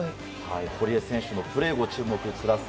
堀江選手のプレーにご注目ください。